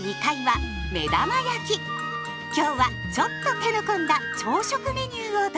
今日はちょっと手の込んだ朝食メニューをどうぞ！